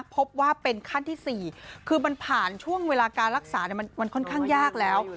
พบว่าเป็นขั้นที่๔คือมันผ่านช่วงเวลาการรักษามันค่อนข้างยากแล้ว